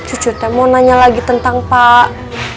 cicinta mau nanya lagi tentang pak